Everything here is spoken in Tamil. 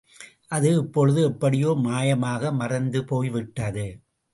அது இப்பொழுது எப்படியோ மாயமாக மறைந்துபோய்விட்டது.